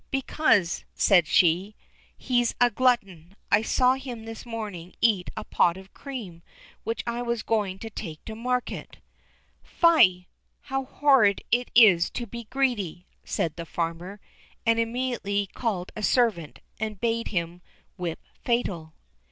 "Because," said she, "he is a glutton; I saw him this morning eat a pot of cream which I was going to take to market." "Fie! how horrid it is to be greedy," said the farmer; and immediately called a servant, and bade him whip Fatal.